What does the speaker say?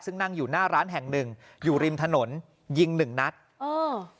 ซึ่งนั่งอยู่หน้าร้านแห่งหนึ่งอยู่ริมถนนยิงหนึ่งนัดเออ